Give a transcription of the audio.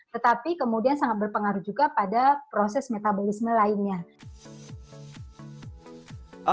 tetapi kemudian sangat berpengaruh juga pada proses metabolisme lainnya